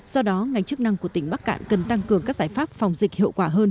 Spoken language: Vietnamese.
do đó ngành chức năng của tỉnh bắc cạn cần tăng cường các giải pháp phòng dịch hiệu quả hơn